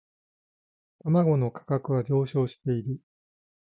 卵の価格は上昇している